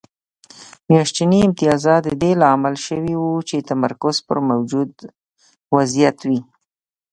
میاشتني امتیازات د دې لامل شوي وو چې تمرکز پر موجود وضعیت وي